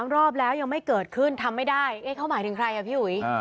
รอบแล้วยังไม่เกิดขึ้นทำไม่ได้เอ๊ะเขาหมายถึงใครอ่ะพี่อุ๋ย